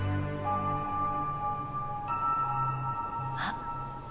あっ。